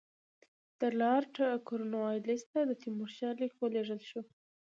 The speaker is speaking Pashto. د لارډ کورنوالیس ته د تیمورشاه لیک ولېږل شو.